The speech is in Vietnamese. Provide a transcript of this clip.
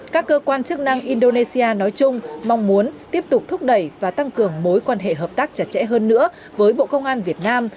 các cơ quan chức năng indonesia nói chung mong muốn tiếp tục thúc đẩy và tăng cường mối quan hệ hợp tác chặt chẽ hơn nữa với bộ công an việt nam